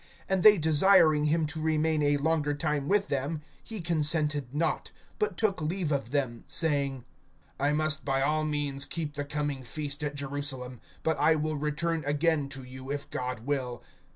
(20)And they desiring him to remain a longer time with them, he consented not; (21)but took leave of them, saying: [18:21][I must by all means keep the coming feast at Jerusalem; but] I will return again to you, if God will.